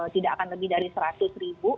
tidak akan lebih dari seratus ribu